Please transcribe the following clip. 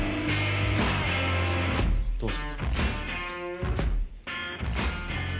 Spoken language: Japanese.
どうぞ。